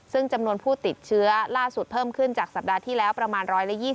ซึ่งจำนวนผู้ติดเชื้อล่าสุดเพิ่มขึ้นจากสัปดาห์ที่แล้วประมาณ๑๒๐